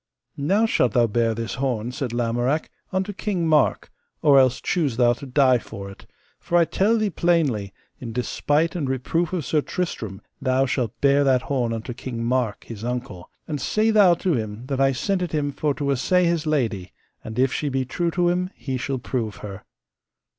Now shalt thou bear this horn, said Lamorak, unto King Mark, or else choose thou to die for it; for I tell thee plainly, in despite and reproof of Sir Tristram thou shalt bear that horn unto King Mark, his uncle, and say thou to him that I sent it him for to assay his lady, and if she be true to him he shall prove her.